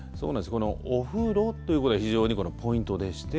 このお風呂ということで非常にポイントでして。